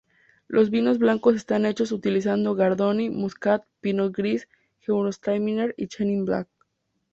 Los vinos blancos están hechos utilizando Chardonnay, Muscat, Pinot gris, Gewürztraminer y Chenin blanc.